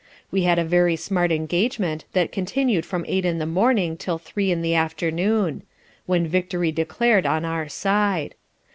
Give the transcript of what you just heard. We had a very smart engagement that continued from eight in the morning till three in the afternoon; when victory declar'd on our side.